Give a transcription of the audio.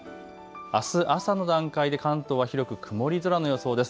あす朝の段階で関東は広く曇り空の予想です。